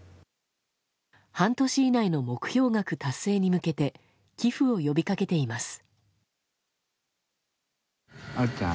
半年以内の目標額達成に向けて寄付を呼びかけています。